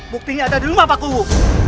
buktinya ada di rumah pak kubu